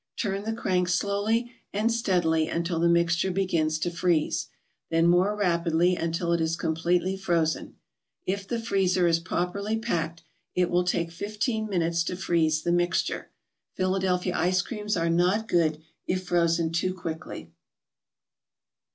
Turn the crank slowly and steadily until the mixture begins to freeze, then more rapidly until it is completely frozen. If the freezer is properly packed, it will take fifteen minutes to freeze the mixture. Philadelphia Ice Creams are not good if frozen too quickly.